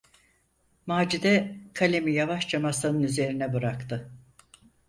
Macide kalemi yavaşça masanın üzerine bıraktı.